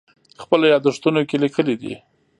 خپلو یادښتونو کې لیکلي دي.